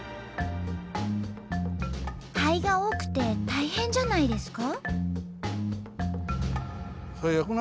灰が多くて大変じゃないですか？